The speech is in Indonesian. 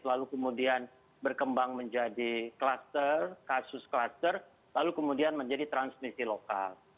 selalu kemudian berkembang menjadi kasus kluster lalu kemudian menjadi transmisi lokal